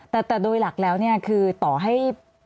แต่โดยหลักแล้วเนี่ยคือต่อให้